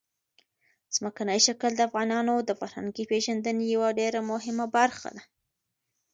ځمکنی شکل د افغانانو د فرهنګي پیژندنې یوه ډېره مهمه برخه ده.